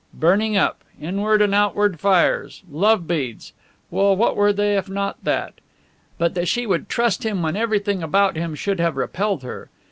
Burning up! Inward and outward fires! Love beads! Well, what were they if not that? But that she would trust him when everything about him should have repelled her!